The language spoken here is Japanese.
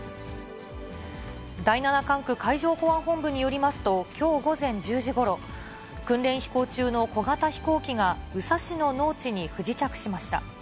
第７管区海上保安本部によりますと、きょう午前１０時ごろ、訓練飛行中の小型飛行機が宇佐市の農地に不時着しました。